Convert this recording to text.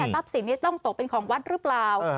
ทรัพย์สินต้องโตเป็นของวัดหรือเปล่า